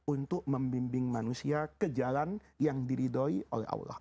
untuk membimbing manusia ke jalan yang diridhoi oleh allah